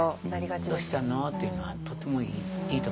「どうしたの？」って言うのはとてもいいと思いますね。